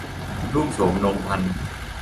รูปโฉมโนมพรรณ